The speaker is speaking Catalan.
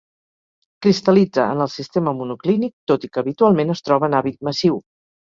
Cristal·litza en el sistema monoclínic, tot i que habitualment es troba en hàbit massiu.